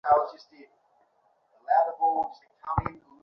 Master, boss তোকে বাসের ticket দিয়েছে।